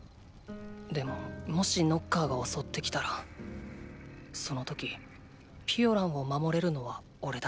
でももしノッカーがおそってきたらその時ピオランを守れるのはおれだけ。